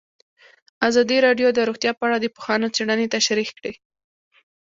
ازادي راډیو د روغتیا په اړه د پوهانو څېړنې تشریح کړې.